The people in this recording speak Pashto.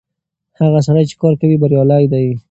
هغه سړی چې کار کوي بريالی دی.